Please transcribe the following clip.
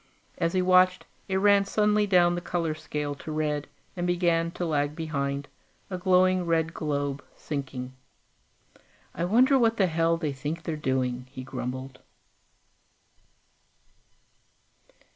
As he watched, it ran suddenly down the color scale to red and began to lag behind, a glowing red globe, sinking. "I wonder what the hell they think they're doing?" he grumbled.